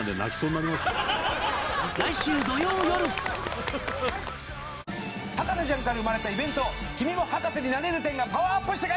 来週土曜よる『博士ちゃん』から生まれたイベント「君も博士になれる展」がパワーアップして帰ってきます！